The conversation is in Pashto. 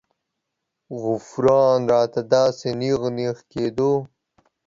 غوپران راته داسې نېغ نېغ کېدو.